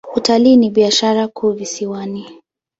Utalii ni biashara kuu visiwani.